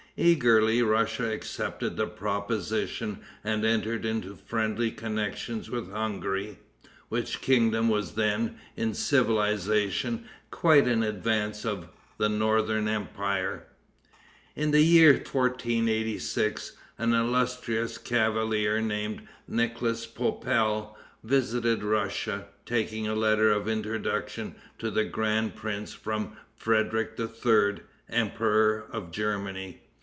Eagerly Russia accepted the proposition, and entered into friendly connections with Hungary, which kingdom was then, in civilization, quite in advance of the northern empire. [Footnote 6: See Empire of Austria, p. 71.] In the year 1486, an illustrious cavalier, named Nicholas Poppel, visited Russia, taking a letter of introduction to the grand prince from Frederic III., Emperor of Germany.